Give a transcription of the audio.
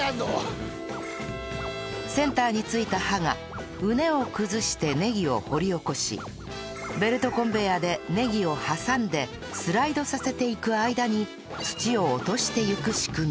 センターに付いた刃が畝を崩してねぎを掘り起こしベルトコンベアでねぎを挟んでスライドさせていく間に土を落としていく仕組み